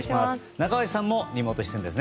中林さんもリモート出演ですね。